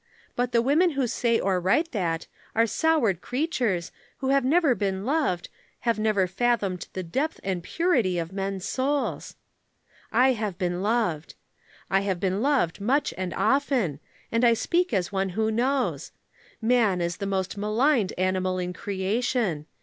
But the women who say or write that are soured creatures, who have never been loved, have never fathomed the depth and purity of men's souls. "I have been loved. I have been loved much and often, and I speak as one who knows. Man is the most maligned animal in creation.